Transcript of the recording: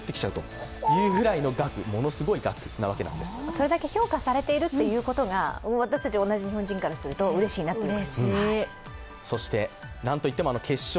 それだけ評価されているということが、私たち同じ日本人からするとうれしいなっていう。